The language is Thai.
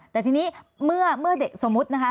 แต่ทีนี้เมื่อเด็กสมมุตินะคะ